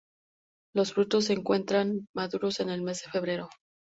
Los frutos se encuentran maduros en el mes de febrero.